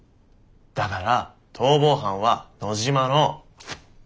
だから逃亡犯は野嶋の。